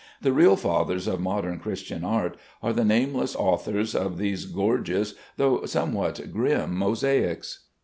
The real fathers of modern Christian art are the nameless authors of these gorgeous though somewhat grim mosaics.